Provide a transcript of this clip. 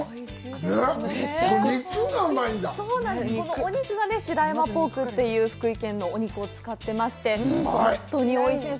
お肉が白山ポークという福井県のお肉を使ってまして、本当においしいんです。